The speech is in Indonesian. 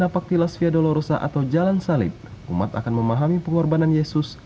pada jam empat via dolorosa atau jalan salib umat akan memahami pengorbanan yesus